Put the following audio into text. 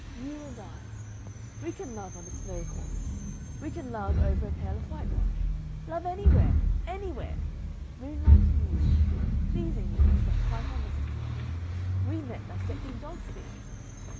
You and I. We can love on a snow cornice, we can love over a pail of whitewash. Love anywhere. Anywhere! Moonlight and music pleasing, you know, but quite unnecessary. We met dissecting dogfish....